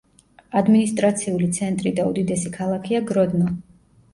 ადმინისტრაციული ცენტრი და უდიდესი ქალაქია გროდნო.